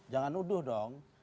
jangan nuduh dong